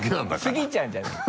スギちゃんじゃねぇか！